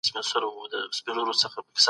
اختر مو مبارک شه.